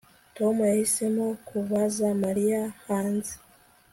Tom yahisemo kubaza Mariya hanze